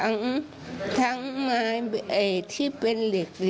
เขามีทั้งเม้าแจ่ที่เป็นเหล็กค่ะค่ะ